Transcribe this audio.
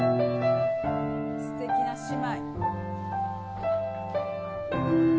すてきな姉妹。